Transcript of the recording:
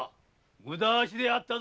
無駄足であったぞ。